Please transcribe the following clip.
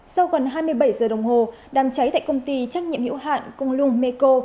sau gần hai mươi bảy giờ đồng hồ đàm cháy tại công ty trách nhiệm hữu hạn công lung meco